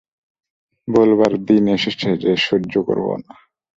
বলবার দিন এসেছে যে সহ্য করব না।